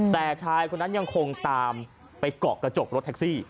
แต่ชายคนนั้นยังคงตามไปเกาะกระจกรถแท็กซี่